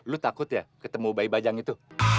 lu takut ya ketemu bayi bajang itu